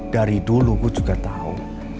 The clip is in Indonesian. dari dulu gue juga tahu